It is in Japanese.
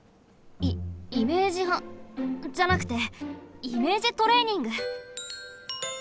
イメージハじゃなくてイメージトレーニング。